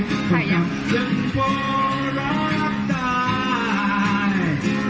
ต้องกลับจนโปรรับตาย